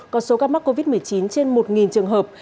có số ca mắc covid một mươi chín trên một trường hợp